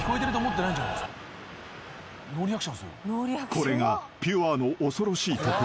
［これがピュアの恐ろしいところ］